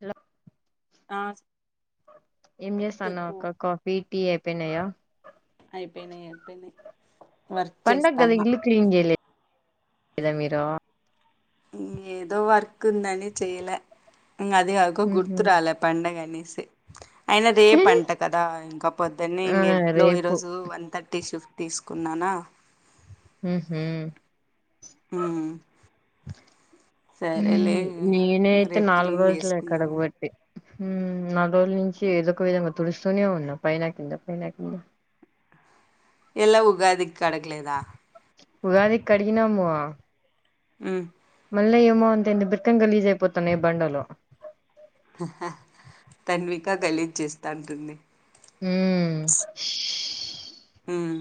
Hello ఆ ఏం చేస్తానావ్వు చెప్పు అక్క కాఫీ టీ అయిపేయినాయ? అయిపోయినాయి అపేయినాయి. పండగ గదా ఇల్లు క్లీన్ చేయలేదా మీరు ఏదో వర్క్ ఉందని చేయలా ఇంగ అదే అగో ఉహు గుర్తురాలే పండగ అనేసి అయినా రేపు అంట కదా ఇంకా పొద్దునే ఆ ఇంగేట్లో రేపు ఈరోజు వన్ థర్టీ షిఫ్ తీసుకున్నానా. ఉహుమ్ మ్ మ్ నేనైతే రేపు నాలుగు క్లీన్ రోజులు అయి చేసుకుందామని కడగబట్టి హుమ్ నాలుగు రోజుల నుంచి ఏదో ఒక విధంగా తుడుస్తూనే ఉన్నా పైనాకింద పైనాకింద ఎలా ఉగాది కడకలేదా? ఉగాదికి కడిగినము ఉమ్ మల్ల ఏమో అంత ఎంది బొత్తం గలీజ్ అయిపోతాన్నాయి బండలు హా హా తన్విక గాలిజేస్త ఉంటుంది. ఉమ్ ఉష్ ఉమ్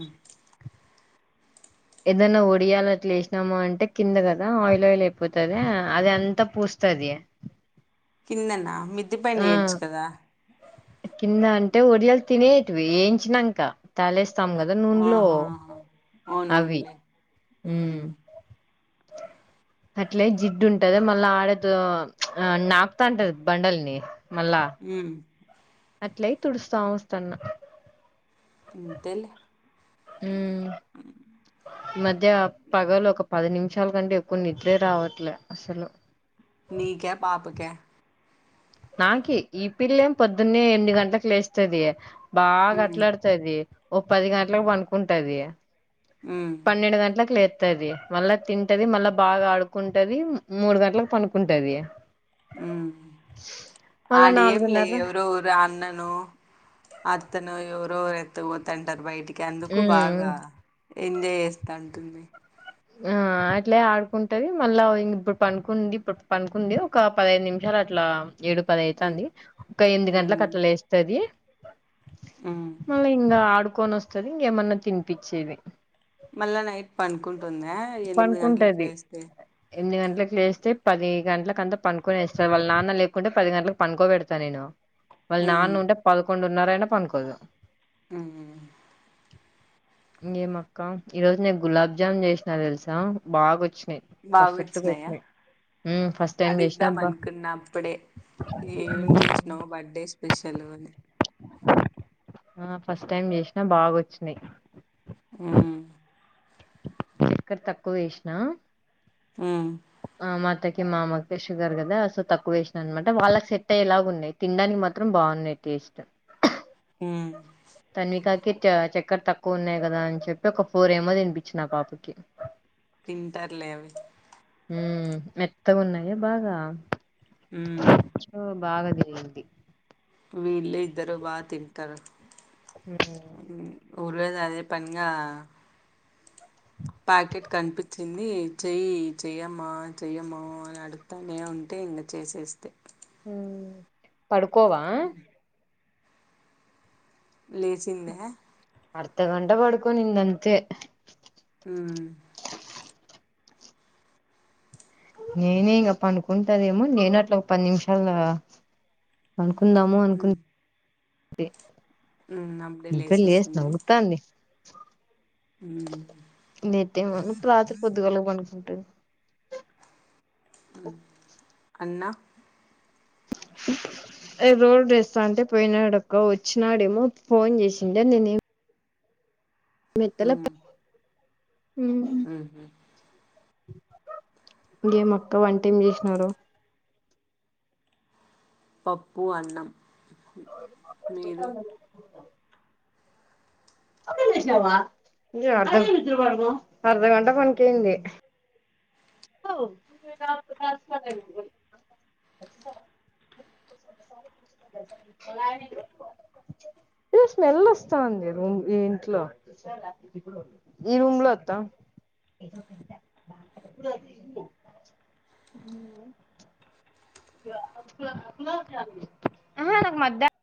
ఏదన్నా ఒడియాల అట్లా యేసినాము అంటే కింద గదా ఆయిల్ ఆయిల్ అయిపోతది అది అంతా పూ స్తది కిందన్నా మిది పైన ఆ యేయచ్చు కదా కింద అంటే ఒడియాలు తినేటివి యేయించినంక తాలేేస్తాం కదా నూన్లో ఆహా! అవి ఉమ్ అట్లే జిడ్డు ఉంటది మళ్ళా ఆడదు ఆ నాపుతా అంటది బండల్ని మళ్ళా ఉమ్ అట్లయి తుడుస్తా వస్తున్న అంతేలే ఉమ్ ఈ మధ్య పగలు ఒక పది నిమిషాల కంటే ఎక్కువ నిద్రే రావట్లే అసలు నీకా పాపకా నాకి ఈ పిల్లేం పొద్దున్నే ఎనిమిది గంటలకు లేస్తది హ్మ్. బాగాట్లాడుతుది ఓ పది గంటలకు పడుకుంటది హ్మ్. పన్నెండు గంటలలకు లే తది మళ్ళా తింటది మళ్ళా బాగా ఆడుకుంటది మూడు గంటలకు పండుకుంటది ఉమ్ ఆడేంలే నాలుగున్నర ఎవరో ఊరో అన్ననో అత్తనో ఎవరు ఎవరో ఎత్త పోతంటారు బయటికి అందుకు ఉమ్ బాగా ఎంజాయ్ చేస్తాంటుంది ఆ అట్లా ఆడుకుంటది మళ్ళాం ఇప్పుడు పండుకుంది ఇప్పుడు పండుకుంది ఒక పదహైదు నిమిషాలు అట్లా ఏడు పది హ్మ్. అయితుంది ఒక ఎనిమిది గంటలకు హ్మ్. అట్లా లేస్తది హ్మ్. మళ్ళీ ఇంకా ఆడుకొని వస్తది ఇంకేమన్నా తినిపించేది మళ్ళా నైట్ పండుకుంటుందా ఎనిమిది గంటలకి పనుకుంటది లేస్తే ఎనిమిది గంటలకు లేస్తే పది గంటలకు అంతా పండుకొని వస్తారు వాళ్ళ నాన్న లేకుంటే పది గంటలకు పండుకోబెడతా నేను వాళ్ళు హ్మ్. నాన్న ఉంటే పదకొండు న్నారాయినా పనుకోదు ఉమ్ ఇంగేమక్క ఈరోజు నేను గులాబ్జామున్ చేసినా దెలుసా బాగా వచ్ బాగ వచ్చినయా మ్మ్ ఫస్ట్ టైం చేసినా అడుగుదాం అబ్బా అనుకున్న అప్పుడే ఏం జేసినవ్ బర్డే స్పెషల్ అని ఆ ఫస్ట్ టైమ్ జేసినా బాగొచ్చినయ్ ఉమ్ చక్కర తక్కువ యేసినా ఉమ్ అత్తకి మామకి షుగర్ గదా సో తక్కువేసినా అన్నమాట వాళ్ళకి సెట్ అయ్యేలాగా ఉన్నాయి తినడానికి మాత్రం బాగున్నాయి టేస్ట్ అ [inaudible] ఉమ్ తన్వికాకి చక్కెర్ తక్కువ ఉన్నాయి గదా అని చెప్పి ఒక ఫోర్ ఏమో తినిపిచిన పాపకి తింటారులే అవి ఉమ్ మెత్తగున్నాయ బాగా ఉమ్ బాగాదిగింది వీళ్ళే ఇద్దరు బాగా తింటారు రోజు అదే పనిగా ప్యాకెట్ కనిపించింది చెయ్యి చెయ్యమ్మా చెయ్యమ్మా అని అడుగుతానే ఉంటే ఇంగా చేసేస్తే పడుకోవా లేచింద అర్ధగంట పడుకోనిందంతే ఊ నేనే ఇంకా పనుకుంటదేమో నేను అట్లా ఒక పది నిమిషాలు పను కుందాము అనుకుంటి ఉ అప్పుడే లేసేసింది నేట్టేమ ఇప్పుడు రాత్రి పొద్దుగాలకు పండుకుంటది అన్నా రోడ్ రెస్తా అంటే పోయినాడక్క వచ్చాడేమో ఫోన్ చేసింటె నేనే ఏత్తల హ ఇంకేమక్క వంట ఏం చేసినారు పప్పు అన్నం మీరు అ అర్ధగంట పనికినింది ఇ స్మెల్ వస్తాంది రూమ్ ఈ ఇంట్లో ఈ రూమ్ లో నాక్ మధ్య